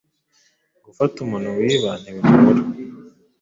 Gufata umuntu wiba ntibigora